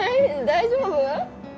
大丈夫？